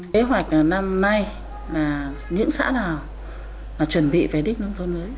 kế hoạch năm nay là những xã nào chuẩn bị về đích nông thôn mới